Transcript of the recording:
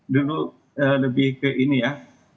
dulu lebih ke ini ya